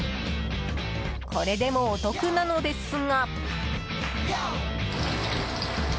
これでもお得なのですが。